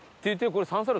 これ。